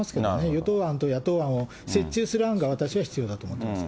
与党案と野党案を折衷する案が私は必要だと思ってます。